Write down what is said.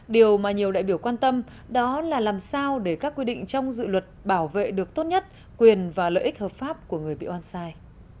điều mà nhiều đại biểu quan tâm đó là làm sao để các quy định trong dự luật bảo vệ được tốt nhất quyền và lợi ích hợp pháp của người bị oan sai